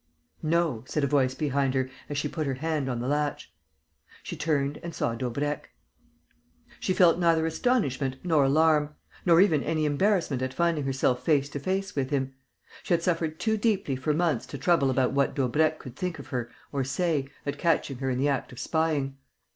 "No," said a voice behind her, as she put her hand on the latch. She turned and saw Daubrecq. She felt neither astonishment nor alarm, nor even any embarrassment at finding herself face to face with him. She had suffered too deeply for months to trouble about what Daubrecq could think of her or say, at catching her in the act of spying.